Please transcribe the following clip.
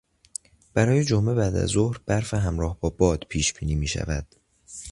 برای جمعه بعد از ظهر برف همراه با باد پیشبینی میشود.